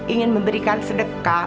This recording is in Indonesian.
ingin memberikan sedekah